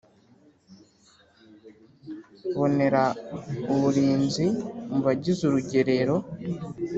Bonera uburinzi mu bagize urugerero